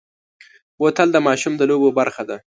بوتل د ماشوم د لوبو برخه ده.